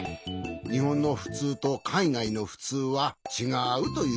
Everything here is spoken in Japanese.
にほんのふつうとかいがいのふつうはちがうということじゃな。